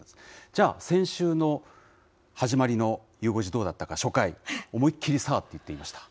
じゃあ、先週の始まりのゆう５時どうだったか、初回、思いっ切り、さあって言ってました。